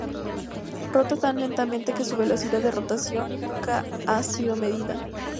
Rota tan lentamente que su velocidad de rotación nunca ha sido medida.